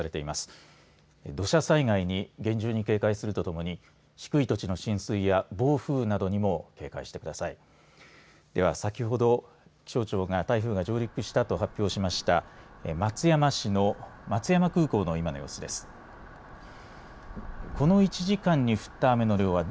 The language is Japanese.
では、先ほど気象庁が台風が上陸したと発表しました松山市の松山空港の今の様子です。